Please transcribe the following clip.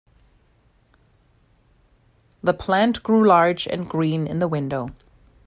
The plant grew large and green in the window.